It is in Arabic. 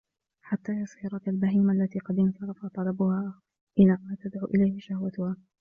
حَتَّى يَصِيرَ كَالْبَهِيمَةِ الَّتِي قَدْ انْصَرَفَ طَلَبُهَا إلَى مَا تَدْعُو إلَيْهِ شَهْوَتُهَا